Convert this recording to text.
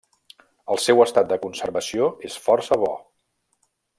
El seu estat de conservació és força bo.